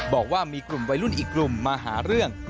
บอกว่ามีกลุ่มวัยรุ่นอีกกลุ่มมาหาเรื่อง